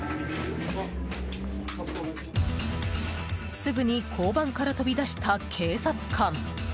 すぐに交番から飛び出した警察官。